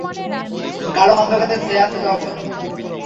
গাঢ় অন্ধকারে ছেয়ে যায় জগৎ।